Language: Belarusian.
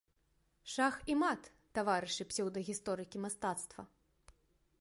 Шах і мат, таварышы псеўдагісторыкі мастацтва!